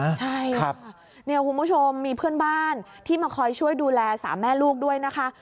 ใช่ค่ะเนี่ยคุณผู้ชมมีเพื่อนบ้านที่มาคอยช่วยดูแลสามแม่ลูกด้วยนะคะ